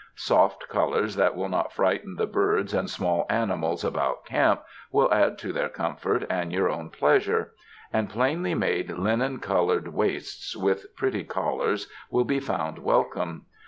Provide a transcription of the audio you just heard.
Soft colors that will not frighten the birds and small animals about camp, will add to their comfort and your own pleasure; and plainly made linen colored waists with pretty collars, will be found welcome.